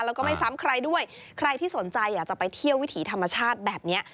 แล้วก็ไม่ซ้ำใครด้วยใครที่สนใจอยากจะไปเที่ยววิถีธรรมชาติแบบนี้